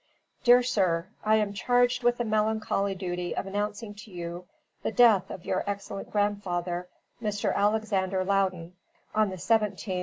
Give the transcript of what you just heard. "DEAR SIR: I am charged with the melancholy duty of announcing to you the death of your excellent grandfather, Mr. Alexander Loudon, on the 17th ult.